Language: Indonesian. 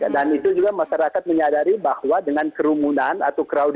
dan itu juga masyarakat menyadari bahwa dengan kerumunan atau crowd